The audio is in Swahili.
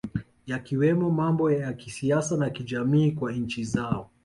Yakiwemo mambo ya kisiasa na kijamii kwa nchi zao